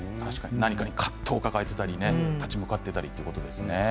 何かに葛藤を抱えていたり立ち向かったりりですね